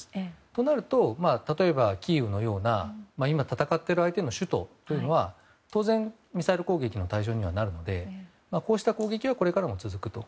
となると、キーウのような今、戦っている相手の首都は当然、ミサイル攻撃の対象にはなるのでこうした攻撃はこれからも続くと。